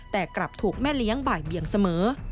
แต่กลับถูกแม่เลี้ยงบ่ายเบียงเสมอ